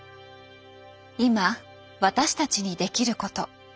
今私たちにできること。